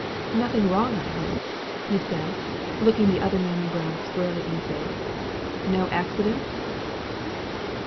"Nothing wrong, I hope?" he said, looking the other man in brown squarely in the face. "No accident?"